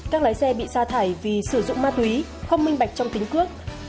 các lái xe bị xa thải vì sử dụng ma túy không minh bạch trong tính cước